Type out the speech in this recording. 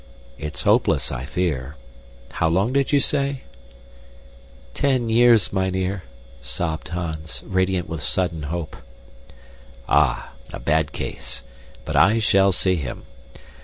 It's hopeless, I fear. How long did you say?" "Ten years, mynheer," sobbed Hans, radiant with sudden hope. "Ah! a bad case, but I shall see him.